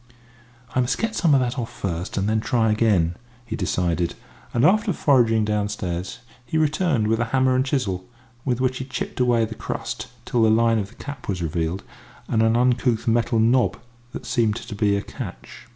"I must get some of that off first, and then try again," he decided; and after foraging downstairs, he returned with a hammer and chisel, with which he chipped away the crust till the line of the cap was revealed, and an uncouth metal knob that seemed to be a catch.